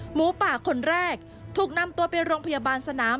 หมูป่าคนแรกถูกนำตัวไปโรงพยาบาลสนาม